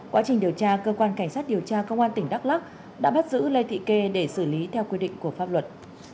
quá trình điều tra cơ quan cảnh sát điều tra công an tỉnh đắk lắc đã bắt giữ lê thị kê để xử lý theo quy định của pháp luật